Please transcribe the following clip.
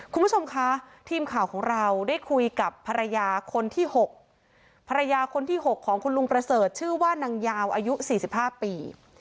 คุณผู้ชมคะทีมข่าวของเราได้คุยกับภรรยาคนที่๖ภรรยาคนที่๖ของคุณลุงประเสริฐชื่อว่านางยาวอายุ๔๕ปี